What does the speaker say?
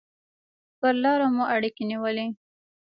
پر لاره مو اړیکې نیولې.